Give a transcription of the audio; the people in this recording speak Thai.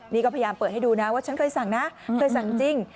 นี่ก็พยายามเปิดให้ดูนะว่าฉันเคยสั่งนะเคยสั่งจริง